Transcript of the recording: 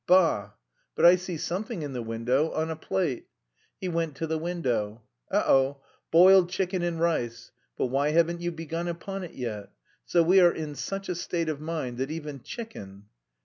Bah! But I see something in the window, on a plate." He went to the window. "Oh oh, boiled chicken and rice!... But why haven't you begun upon it yet? So we are in such a state of mind that even chicken..."